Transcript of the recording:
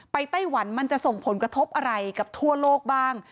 ไต้หวันมันจะส่งผลกระทบอะไรกับทั่วโลกบ้าง